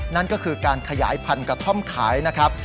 นั่นก็คือการขยายพันธุ์กระท่อมขายนะครับ